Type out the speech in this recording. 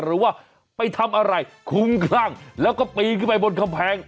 หรือว่าไปทำอะไรคุ้มคลั่งแล้วก็ปีนขึ้นไปบนกำแพง